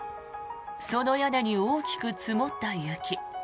その屋根に大きく積もった雪。